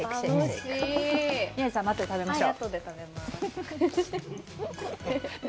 宮司さんもあとで食べましょう。